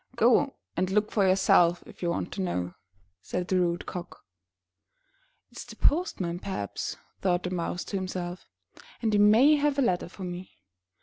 *'Go and look for yourself, if you want to know," said the rude Cock. It*s the postman perhaps,'* thought the Mouse to himself, '*and he may have a letter for me.